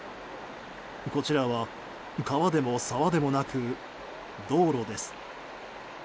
こちらは川でも沢でもなく道路です。